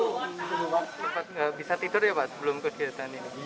tidak bisa tidur ya pak sebelum kejadian ini